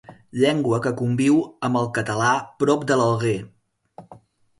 Llengua que conviu amb el català prop de L'Alguer.